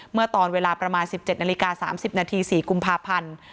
เมื่อตอนเวลาประมาณสิบเจ็ดนาฬิกาสามสิบนาทีสี่กุมภาพันธ์